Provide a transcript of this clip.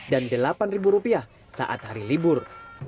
dan delapan rupiah saat hari libur